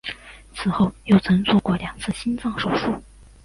此后又曾做过两次心脏手术。